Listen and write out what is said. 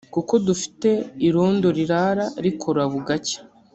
kuko dufite irondo rirara rikora bugacya